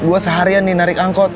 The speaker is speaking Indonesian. gue seharian nih narik angkot